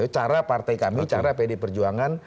cara partai kami cara pdi perjuangan